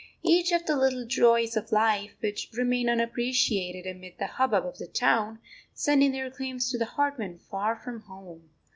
Each of the little joys of life, which remain unappreciated amid the hubbub of the town, send in their claims to the heart when far from home.